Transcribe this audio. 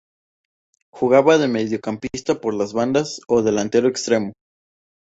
Jugaba de mediocampista por las bandas o delantero extremo.